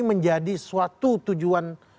menjadi suatu tujuan